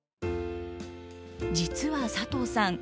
実は佐藤さん